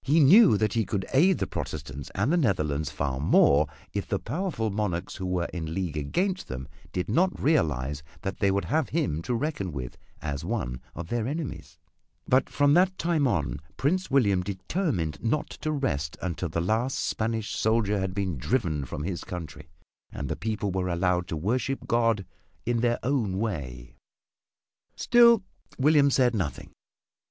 He knew that he could aid the Protestants and the Netherlands far more if the powerful monarchs who were in league against them did not realize that they would have him to reckon with as one of their enemies, but from that time on Prince William determined not to rest until the last Spanish soldier had been driven from his country and the people were allowed to worship God in their own way. Still William said nothing.